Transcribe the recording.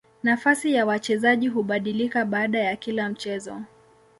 Nafasi ya wachezaji hubadilika baada ya kila mchezo.